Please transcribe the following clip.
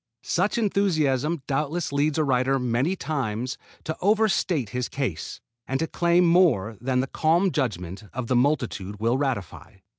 Such enthusiasm doubtless leads a writer many times to over state his case, and to claim more than the calm judgment of the multitude will ratify.